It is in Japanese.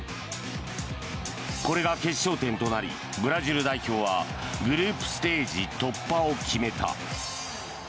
これが決勝点となりブラジル代表はグループステージ突破を決めた。